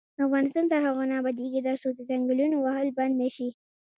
افغانستان تر هغو نه ابادیږي، ترڅو د ځنګلونو وهل بند نشي.